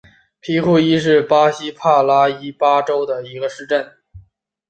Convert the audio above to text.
皮库伊是巴西帕拉伊巴州的一个市镇。